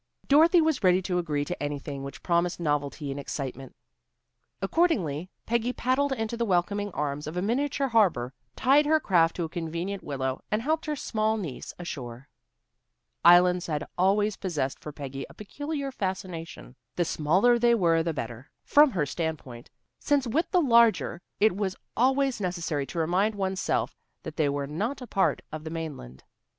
Dorothy was ready to agree to anything which promised novelty and excitement. Accordingly, Peggy paddled into the welcoming arms of a miniature harbor, tied her craft to a convenient willow, and helped her small niece ashore. Islands had always possessed for Peggy a peculiar fascination. The smaller they were the better, from her standpoint, since with the larger it was always necessary to remind one's self that they were not a part of the mainland.